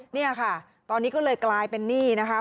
เนี่ยค่ะตอนนี้ก็เลยกลายเป็นหนี้นะคะ